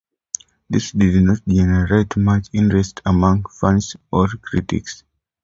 This did not generate much interest among fans or critics.